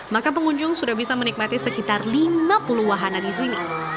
maka pengunjung sudah bisa menikmati sekitar lima puluh wahana di sini